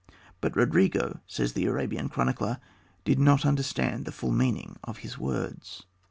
"But Rodrigo," says the Arabian chronicler, "did not understand the full meaning of his words."